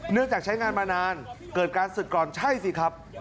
เนื่องจากใช้งานมานานเกิดการศึกกรณ์ใช่สิครับ